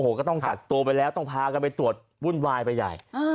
ก็ต้องกักตัวไปแล้วต้องพากันไปตรวจวุ่นวายไปใหญ่